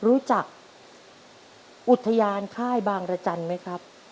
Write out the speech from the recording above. รู้จักอุทยานค่ายบางรจันทร์ไหมครับ